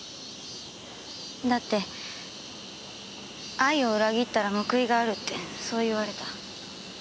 だって愛を裏切ったら報いがあるってそう言われた。